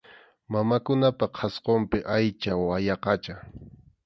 Mamakunapa qhasqunpi aycha wayaqacha.